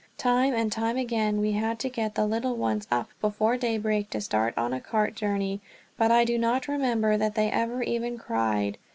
Time and time again we had to get the little ones up before daybreak to start on a cart journey, but I do not remember that they ever even cried.